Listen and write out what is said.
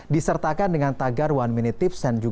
disertakan dengan tagar one minute tips dan juga tagar cnn